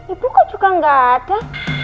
ibu kok juga nggak ada